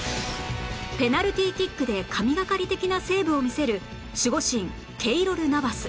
ペナルティーキックで神がかり的なセーブを見せる守護神ケイロル・ナバス